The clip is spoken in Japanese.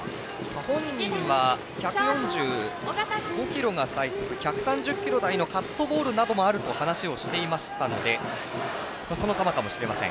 本人は、１４５キロが最速１３０キロ台のカットボールなどもあると話をしていましたのでその球かもしれません。